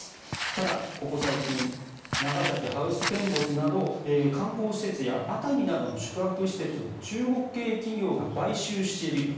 ただ、ここ最近長崎・ハウステンボスなど観光施設や熱海などの宿泊施設を中国系企業が買収していると。